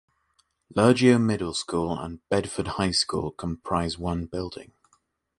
Lurgio Middle School and Bedford High School comprise one building.